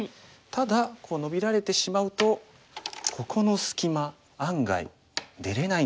ただノビられてしまうとここの隙間案外出れないんですよね。